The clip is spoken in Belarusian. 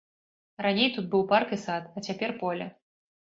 Раней тут быў парк і сад, а цяпер поле.